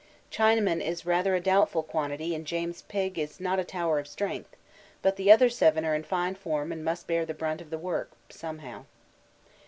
Chinaman is rather a doubtful quantity and James Pigg is not a tower of strength, but the other seven are in fine form and must bear the brunt of the work somehow.